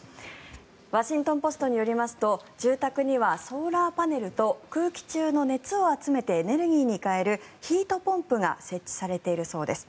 ワシントン・ポストによりますと住宅にはソーラーパネルと空気中の熱を集めてエネルギーに変えるヒートポンプが設置されているそうです。